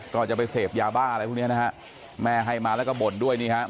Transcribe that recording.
ก็จะไปเสพยาบ้าอะไรพวกนี้นะฮะแม่ให้มาแล้วก็บ่นด้วยนี่ครับ